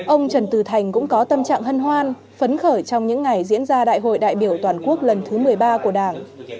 ông trần từ thành cũng có tâm trạng hân hoan phấn khởi trong những ngày diễn ra đại hội đại biểu toàn quốc lần thứ một mươi ba của đảng